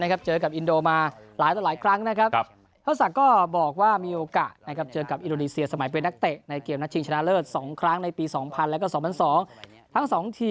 เขาสักก็บอกว่ามีโอกาสเจอกับอิโรดิเซียสมัยเป็นนักเตะในเกมนักชิงชนะเลิศ๒ครั้งในปี๒๐๐๐แล้วก็๒๐๐๒